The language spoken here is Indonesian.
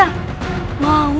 pasti memang dia sengaja